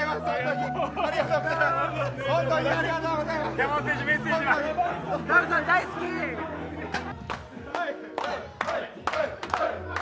山本選手、メッセージは。